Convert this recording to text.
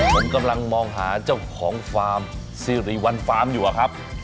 ผมกำลังมองหาเจ้าของฟาร์มซีรีวันฟาร์มอยู่อะครับ